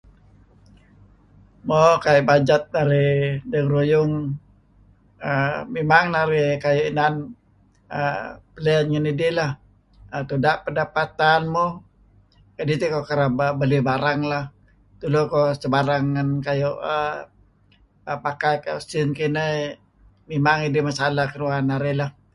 Mo kayu bajet narih dengaruyung mimang narih kayu' inan plan ngidih lah. Tuda' pendapatan muh kidih tiko kereb belih barang leh. Tulu iko sebarang ngen kayu pakai kah sin kineh mimang idih masalah kinuan narih.